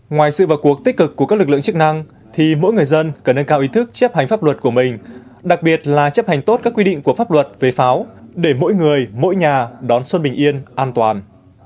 ngoài sự vào cuộc tích cực của các lực lượng chức năng thì mỗi người dân cần nâng cao ý thức chấp hành pháp luật của mình đặc biệt là chấp hành tốt các quy định của pháp luật về pháo để mỗi người mỗi nhà đón xuân bình yên an toàn